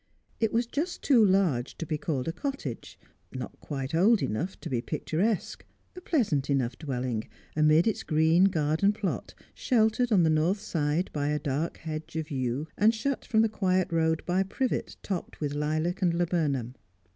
It was just too large to be called a cottage; not quite old enough to be picturesque; a pleasant enough dwelling, amid its green garden plot, sheltered on the north side by a dark hedge of yew, and shut from the quiet road by privet topped with lilac and laburnum.